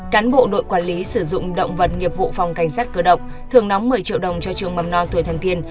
cán bộ đội quản lý sử dụng động vật nghiệp vụ phòng cảnh sát cơ động thường đóng một mươi triệu đồng cho trường mầm non tuổi thanh tiên